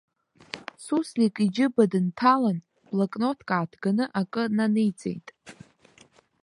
Суслик иџьыба дынҭалан, блокнотк ааҭганы акы наниҵеит.